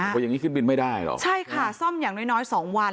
เพราะอย่างนี้ขึ้นบินไม่ได้หรอกใช่ค่ะซ่อมอย่างน้อยน้อยสองวัน